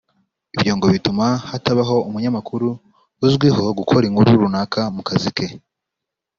ibyo ngo bituma hatabaho umunyamakuru uzwiho gukora inkuru runaka mu kazi ke